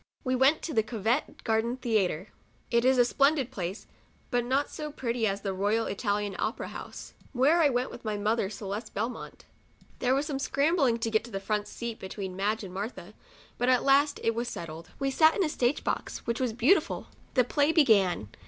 We went to the " Covent Garden Theatre." It is a splen did place, but not so pretty as the " Eoyal Italian Opera House," where I went with my mother, Celeste Belmont. There was some scrambling to get the front seat be tween Madge and Martha, but at last it was settled. We sat in a stage box, which was beautiful. The play began.